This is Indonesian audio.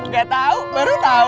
gak tau baru tau